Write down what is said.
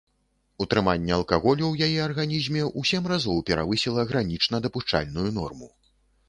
Утрыманне алкаголю ў яе арганізме ў сем разоў перавысіла гранічна дапушчальную норму.